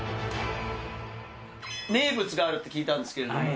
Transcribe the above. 名物があるって聞いたんですけれども。